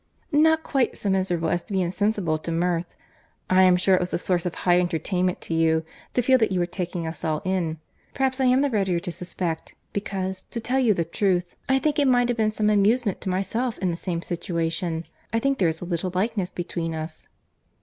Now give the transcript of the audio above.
"Not quite so miserable as to be insensible to mirth. I am sure it was a source of high entertainment to you, to feel that you were taking us all in.—Perhaps I am the readier to suspect, because, to tell you the truth, I think it might have been some amusement to myself in the same situation. I think there is a little likeness between us."